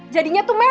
jadinya tuh bagus